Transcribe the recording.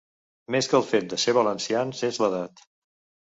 Més que el fet de ser valencians és l'edat.